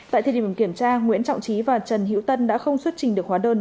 tại thời điểm kiểm tra nguyễn trọng trí và trần hiễu tân đã không xuất trình được hóa đơn